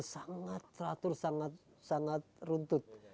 sangat teratur sangat runtut